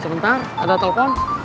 sebentar ada telepon